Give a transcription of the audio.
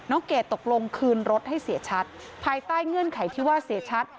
เกดตกลงคืนรถให้เสียชัดภายใต้เงื่อนไขที่ว่าเสียชัด